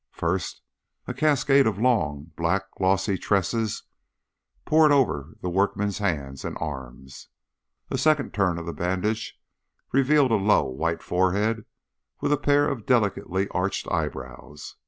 First, a cascade of long, black, glossy tresses poured over the workman's hands and arms. A second turn of the bandage revealed a low, white forehead, with a pair of delicately arched eyebrows.